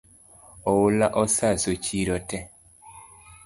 Oula osaso chiro tee